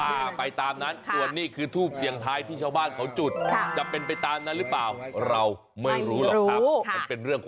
ไอหนูเริ่มจับมาเป็นเซตเลย